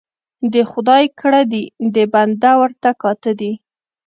ـ د خداى کړه دي د بنده ورته کاته دي.